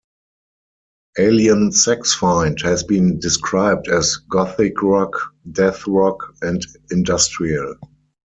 Alien Sex Fiend has been described as gothic rock, deathrock and industrial.